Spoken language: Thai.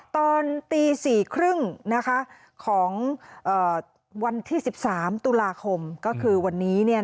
ตอนตี๔๓๐ของวันที่๑๓ตุลาคมก็คือวันนี้